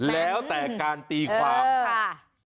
แล้วแต่การตีความค่ะ